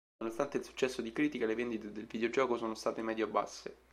Nonostante il successo di critica, le vendite del videogioco sono state medio-basse.